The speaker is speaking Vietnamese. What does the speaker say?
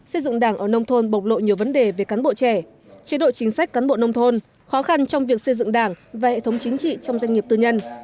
xây dựng đảng ở nông thôn bộc lộ nhiều vấn đề về cán bộ trẻ chế độ chính sách cán bộ nông thôn khó khăn trong việc xây dựng đảng và hệ thống chính trị trong doanh nghiệp tư nhân